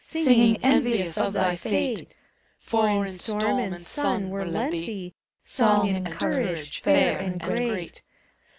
Singing, envious of thy fate; For in storm and sun were lent thee Song and courage, fair and great.